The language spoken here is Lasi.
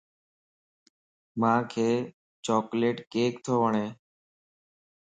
مانک چوڪليٽ ڪيڪ تو وڻ